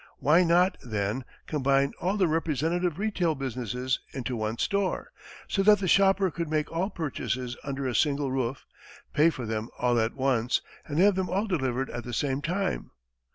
Why not, then, combine all the representative retail businesses into one store, so that the shopper could make all purchases under a single roof, pay for them all at once, and have them all delivered at the same time?